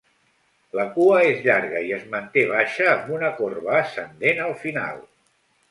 La cua és llarga i es manté baixa amb una corba ascendent al final.